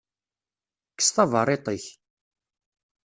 Kkes taberriḍt-ik.